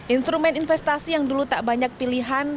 instrumen investasi yang dulu tak banyak pilihan